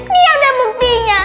nih ada buktinya